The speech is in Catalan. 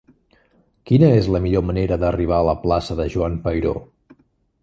Quina és la millor manera d'arribar a la plaça de Joan Peiró?